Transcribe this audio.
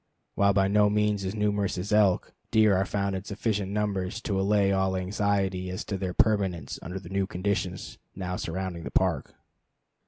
While by no means as numerous as elk, deer are found in sufficient numbers to allay all anxiety as to their permanence under the new conditions now surrounding the Park.